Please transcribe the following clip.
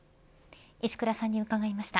石倉さんに伺いました。